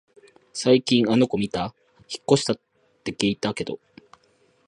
最近あの子みた？引っ越したって聞いたけど